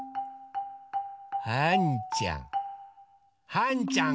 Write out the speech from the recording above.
はんちゃん